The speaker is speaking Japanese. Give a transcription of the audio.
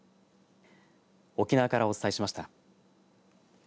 沖縄からお伝えしました。